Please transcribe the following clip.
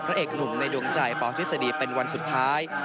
เอกหนุ่มในดวงใจปทฤษฎีเป็นวันสุดท้าย